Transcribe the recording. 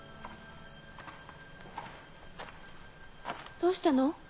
どうしたの？